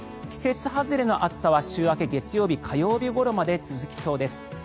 季節外れの暑さは週明け月曜日、火曜日ごろまで続きそうです。